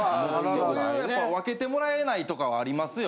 そういうやっぱわけてもらえないとかはありますよ。